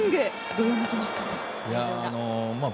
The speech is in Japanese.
どよめきました、会場が。